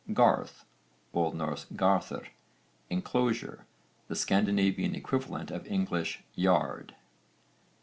GARTH. O.N. garðr, enclosure, the Scandinavian equivalent of English 'yard.'